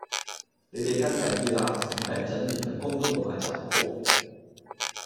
你地跟緊啲啦，唔係一陣連份工都冇埋就唔好